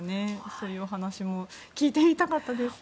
そういうお話も聞いてみたかったですね。